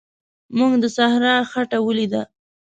موږ د صحرا خټه ولیده.